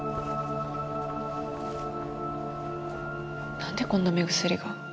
何でこんな目薬が